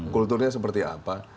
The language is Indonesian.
kulturnya seperti apa